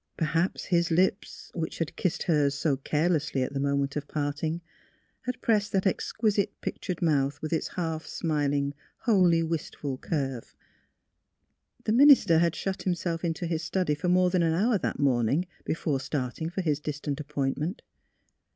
Perhaps his lips (which had kissed hers so carelessly at the moment of parting) had pressed that exquisite pictured mouth, with its half smiling, wholly wistful curve. The minister had shut himself into his study for more than an hour that morning before start ing for his distant appointment.